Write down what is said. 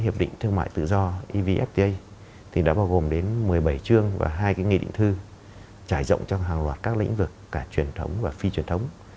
hiệp định thương mại tự do evfta thì đã bao gồm đến một mươi bảy chương và hai cái nghị định thư trải rộng trong hàng loạt các lĩnh vực cả truyền thống và phi truyền thống